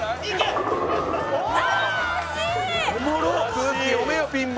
空気読めよピンも。